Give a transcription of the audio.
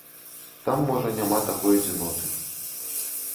Там можа няма такой адзіноты.